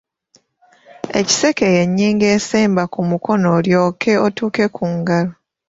Ekiseke y’ennyingo esemba ku mukono olyoke otuuke ku ngalo.